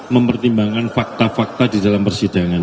mempertimbangkan fakta fakta di dalam persidangan